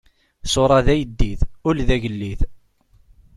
Ṣṣuṛa d ayeddid, ul d agellid.